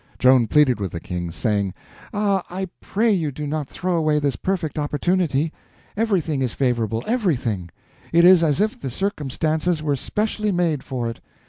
Joan pleaded with the King, saying: "Ah, I pray you do not throw away this perfect opportunity. Everything is favorable—everything. It is as if the circumstances were specially made for it.